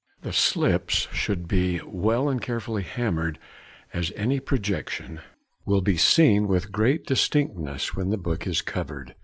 The slips should be well and carefully hammered, as any projection will be seen with great distinctness when the book is covered.